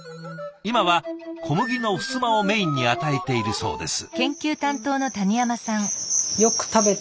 今は小麦のふすまをメインに与えているそうです。